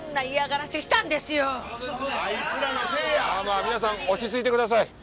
まあまあ皆さん落ち着いてください！